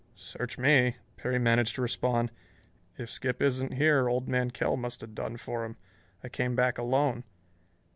"Search me," Perry managed to respond. "If Skip isn't here old man Kell must have done for him. I came back alone."